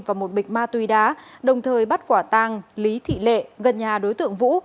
và một bịch ma túy đá đồng thời bắt quả tang lý thị lệ gần nhà đối tượng vũ